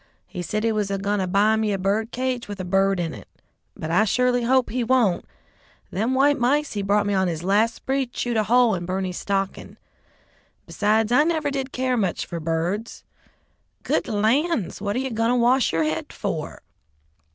He said he was goin' to buy me a bird cage with a bird in it, but I surely hope he won't. Them white mice he brought me on his last spree chewed a hole in Berney's stocking; besides, I never did care much for birds. Good lands! what are you goin' to wash yer head for?"